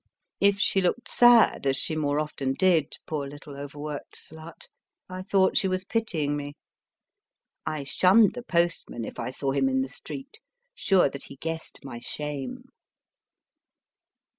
If she looked sad, as she more often did, poor little over worked slut, I thought she was pitying me. I shunned the postman if I saw him in the street, sure that he guessed my shame.